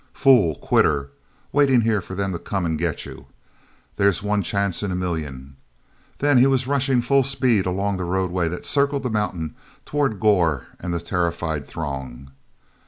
"Fool! Quitter! Waiting here for them to come and get you! There's one chance in a million—" Then he was rushing at full speed along the roadway that circled the mountain toward Gor and the terrified throng.